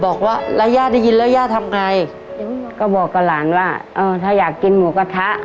บอกว่าแล้วย่าได้ยินแล้วย่าทำไงก็บอกกับหลานว่าเออถ้าอยากกินหมูกระทะ